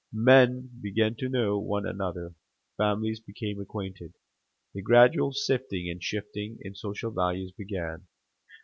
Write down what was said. Men began to know one another, families became acquainted, the gradual sifting and shifting in social values began.